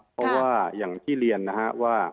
เพราะว่าอย่างที่เรียนนะฮะว่า